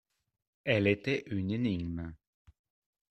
Elle était une énigme.